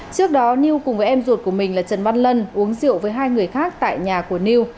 trước đó niêu cùng với em ruột của mình là trần văn lân uống rượu với hai người khác tại nhà của niêu